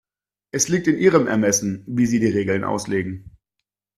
Es liegt in Ihrem Ermessen, wie Sie die Regeln auslegen.